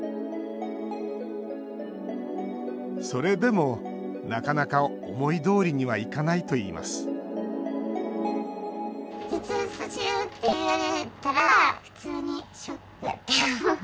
それでも、なかなか思いどおりにはいかないといいます実家で暮らしている、りおさん。